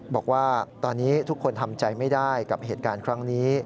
บอกว่าตอนนี้ทุกคนทำใจไม่ได้กับเหตุการณ์ครั้งนี้